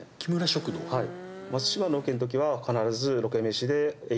はい。